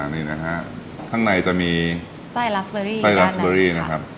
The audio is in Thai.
นี่นะฮะข้างในจะมีไส้ลัสเบอรี่ไส้ลัสเบอรี่นะครับ